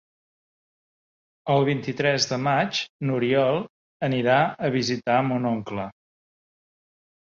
El vint-i-tres de maig n'Oriol anirà a visitar mon oncle.